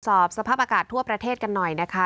สภาพอากาศทั่วประเทศกันหน่อยนะคะ